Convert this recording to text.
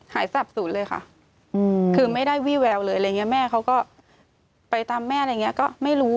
หายสับสุดเลยค่ะคือไม่ได้วี่แววเลยแม่เขาก็ไปตามแม่อะไรอย่างนี้ก็ไม่รู้